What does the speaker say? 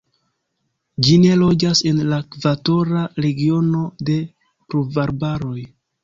Ĝi ne loĝas en la ekvatora regiono de pluvarbaroj.